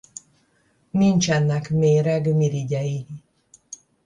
Nincsenek méreg mirigyei.